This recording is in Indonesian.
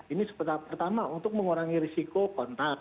ini pertama untuk mengurangi risiko kontak